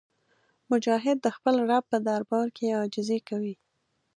مجاهد د خپل رب په دربار کې عاجزي کوي.